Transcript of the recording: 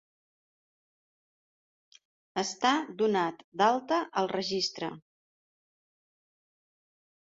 Estar donat d'alta al Registre.